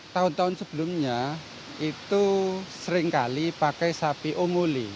tahun tahun sebelumnya itu seringkali pakai sapi ongoli